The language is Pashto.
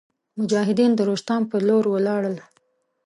مجاهدین د روستام په لور ولاړل.